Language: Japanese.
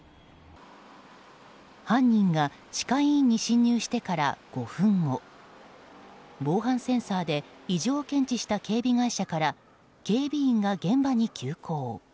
犯人が歯科医院に侵入してから５分後防犯センサーで異常を検知した警備会社から警備員が現場に急行。